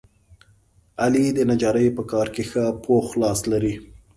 علي د نجارۍ په کار کې ښه پوخ لاس لري.